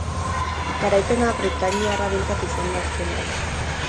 Garaipena britainiarrarentzat izan da azkenean.